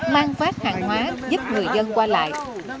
mang phát hàng hóa giúp người dân qua lại